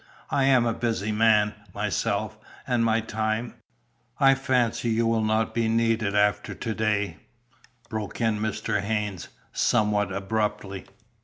I am a busy man, myself, and my time " "I fancy you will not be needed after to day," broke in Mr. Haynes, somewhat abruptly.